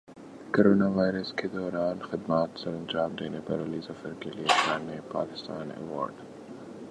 corona virus کے دوران خدمات سرانجام دینے پر علی ظفر کیلئے شان پاکستان ایوارڈ